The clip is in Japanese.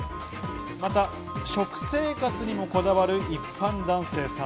また、食生活にもこだわる、一般男性さん。